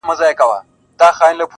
چي ډوب تللی وو د ژوند په اندېښنو کي؛